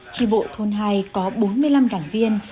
tri bộ thôn hai có bốn mươi năm đảng viên